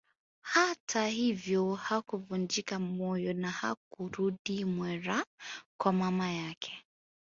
Hata hivyo hakuvunjika moyo na hakurudi Mwera kwa mama yake